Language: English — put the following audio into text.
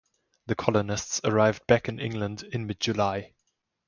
The colonists arrived back in England in mid-July.